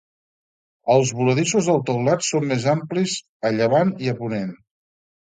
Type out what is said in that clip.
Els voladissos del teulat són més amplis a llevant i a ponent.